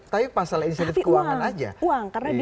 tapi pasal insentif keuangan aja